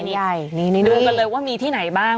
ดูกันเลยว่ามีที่ไหนบ้าง